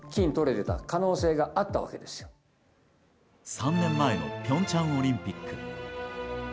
３年前の平昌オリンピック。